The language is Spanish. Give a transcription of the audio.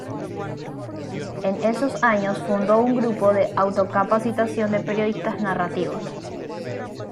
En esos años fundó un grupo de auto-capacitación de periodistas narrativos.